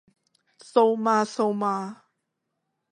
蘇媽蘇媽？